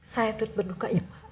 saya turut berduka ya pak